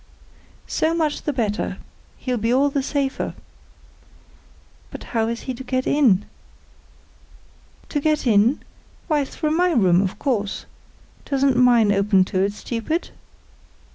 "So much the better. He'll be all the safer." "But how is he to get in?" "To get in? Why, through my room, of course. Doesn't mine open to it, stupid?"